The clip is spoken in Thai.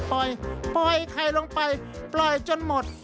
ปล่อยไข่ลงไปปล่อยจนหมด